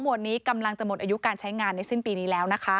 วันนี้กำลังจะหมดอายุการใช้งานในสิ้นปีนี้แล้วนะคะ